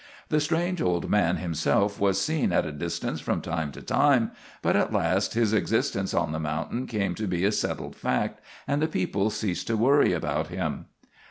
The strange old man himself was seen at a distance from time to time, but at last his existence on the mountain came to be a settled fact, and the people ceased to worry about him.